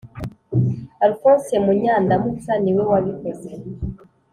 alphonse munyandamutsa niwe wabikoze